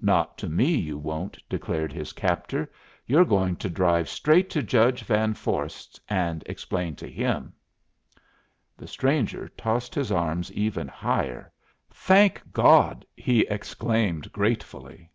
"Not to me, you won't," declared his captor. "You're going to drive straight to Judge Van Vorst's, and explain to him!" The stranger tossed his arms even higher. "Thank God!" he exclaimed gratefully.